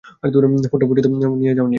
ফোনটা পর্যন্ত নিয়ে যাওনি।